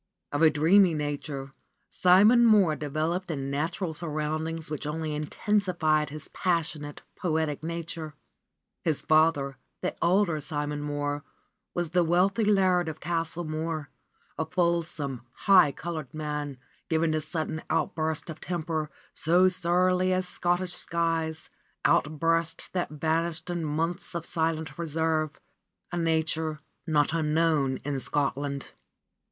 Of a dreamy nature, Simon Mohr developed in natural surroundings which only intensified his passionate, poetic nature. His father, the elder Simon Mohr, was the wealthy laird of Castle Mohr, a fulsome, high colored man, given to sudden outbursts of temper, so surly as Scotch skies, outbursts that vanished in months of silent reserve, a nature not unknown in Scotland.